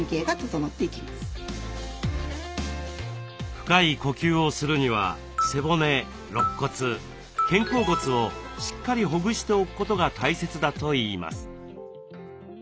深い呼吸をするには背骨肋骨肩甲骨をしっかりほぐしておくことが大切だといいます。